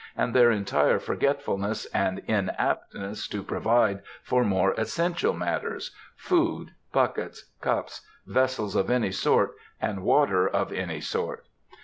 and their entire forgetfulness and inaptness to provide for more essential matters,—food, buckets, cups, vessels of any sort, and water of any sort.